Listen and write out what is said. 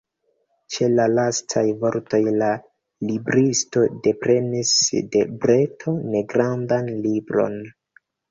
Ĉe la lastaj vortoj la libristo deprenis de breto negrandan libron.